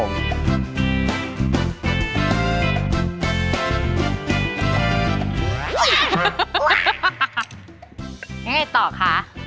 ยังไงต่อคะ